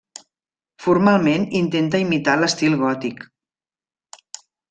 Formalment intenta imitar l'estil gòtic.